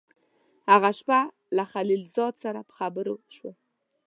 هغه شپه له خلیل زاده سره په خبرو شوم.